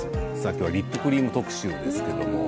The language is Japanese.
今日はリップクリーム特集ですけど。